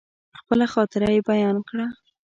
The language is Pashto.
خپله خاطره يې بيان کړه.